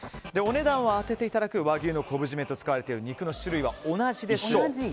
お値段を当てていただく和牛の昆布〆と使われている肉の種類は同じです。